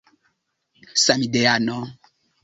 samideano